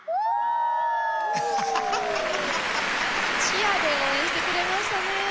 チアで応援してくれましたね。